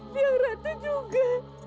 dia orang itu juga